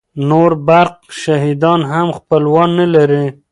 نور برحق شهیدان هم خپلوان نه لري.